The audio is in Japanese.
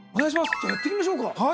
じゃあ、やっていきましょうか。